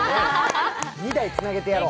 ２台つなげてやろう。